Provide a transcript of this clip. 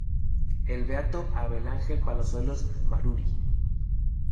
El Beato Abel Angel Palazuelos Maruri.